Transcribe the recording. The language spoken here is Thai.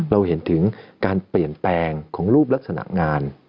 เราเห็นถึงการเปลี่ยนแปลงของรูปลักษณะงาน